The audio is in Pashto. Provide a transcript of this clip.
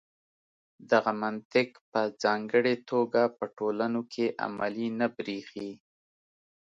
دغه منطق په ځانګړې توګه په ټولنو کې عملي نه برېښي.